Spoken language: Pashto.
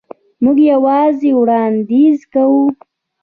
موږ یوازې وړاندیز کوو.